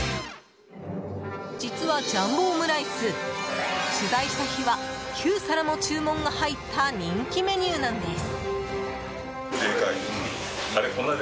実は、ジャンボオムライス取材した日は９皿も注文が入った人気メニューなんです。